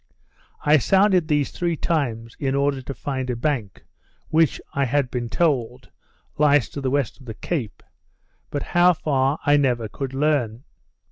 I sounded these three times, in order to find a bank, which, I had been told, lies to the west of the cape; but how far I never could learn.